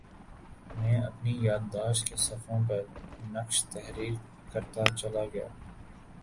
میں اپنی یادداشت کے صفحوں پر نقش تحریر کرتاچلا گیا